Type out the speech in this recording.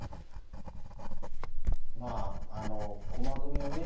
まああの駒組みをね